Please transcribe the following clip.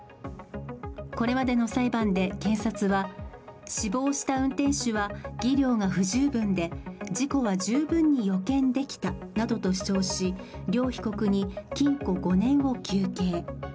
これまでの裁判で検察は死亡した運転手は技量が不十分で事故は十分に予見できたなどと主張し両被告に禁錮５年を求刑。